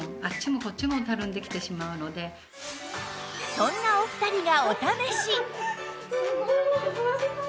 そんなお二人がお試し！